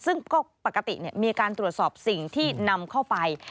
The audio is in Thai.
ซึ่งก็ปกติมีการตรวจสอบสิ่งที่นำเข้าไป